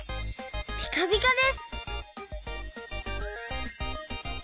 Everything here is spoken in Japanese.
ピカピカです！